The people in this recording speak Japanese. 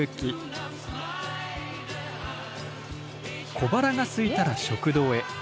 小腹がすいたら食堂へ。